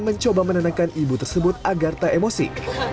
mencoba menenangkan ibu tersebut agar tak emosi